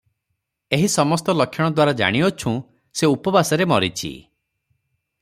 ଏହି ସମସ୍ତ ଲକ୍ଷଣ ଦ୍ୱାରା ଜାଣୁଅଛୁଁ, ସେ ଉପବାସରେ ମରିଚି ।